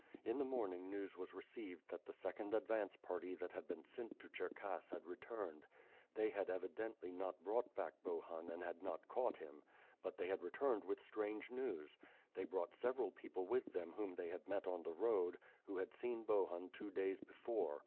In the morning news was received that the second advance party that had been sent to Oherkass had returned. They had evi dently not brought back Bohun and not caught him, but they had returned with strange news. They brought several people with them whom they had met on the road, who had seen Bohun two days before.